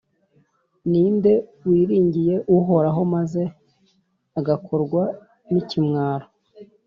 ni nde wiringiye Uhoraho, maze agakorwa n’ikimwaro?